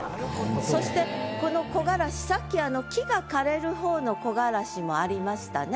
そしてこの「凩」さっき木が枯れる方の「木枯らし」もありましたね。